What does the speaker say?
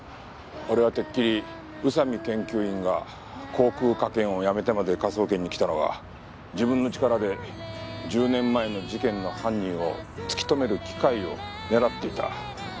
俺はてっきり宇佐見研究員が航空科研を辞めてまで科捜研に来たのは自分の力で１０年前の事件の犯人を突き止める機会を狙っていた。